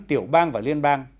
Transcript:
tiểu bang và liên bang